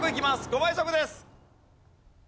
５倍速です。